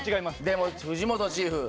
でも藤本チーフ